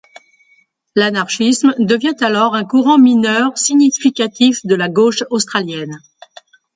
L'anarchisme devient alors un courant mineur significatif de la gauche australienne.